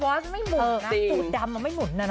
ฉันรอดูโฟสไม่หมุนนะ